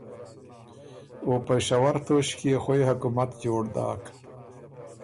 او پېشور توݭکيې خوئ حکومت جوړ داک۔